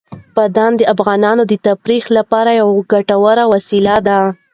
بادام د افغانانو د تفریح لپاره یوه ګټوره وسیله ده.